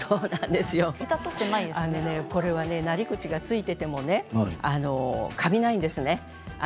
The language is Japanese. なり口が付いていてもかびないんですね。